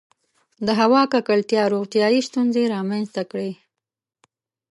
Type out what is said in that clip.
• د هوا ککړتیا روغتیایي ستونزې رامنځته کړې.